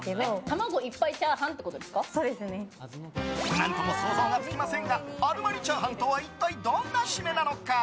何とも想像がつきませんがアルマニチャーハンとは一体どんなシメなのか。